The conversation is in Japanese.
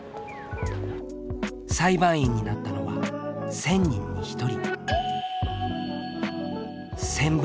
裁判員になったのは１０００人に１人。